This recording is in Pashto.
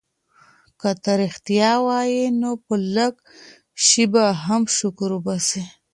که ته ریښتیا وایې نو په لږ شي به هم شکر وباسې.